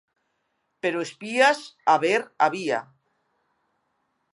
Pero espías, haber, había.